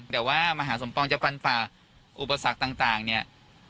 แต่ว่ามหาสมปองจะฟันฝ่าอุปสรรคต่างเนี่ย